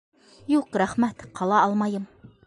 Юҡ, рәхмәт, ҡала алмайым.